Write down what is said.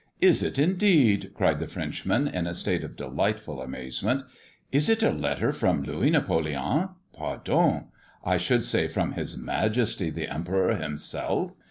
"Is it, indeed!" cried the Frenchman, in a state of delightful amazement. "Is it a letter from Louis Napoleon pardon! I would say, from his Majesty the Emperor himself?"